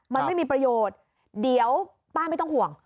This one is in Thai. มันไม่มีประโยชน์เดี๋ยวป้าไม่ต้องห่วง